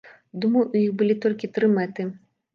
Думаю, у іх былі толькі тры мэты.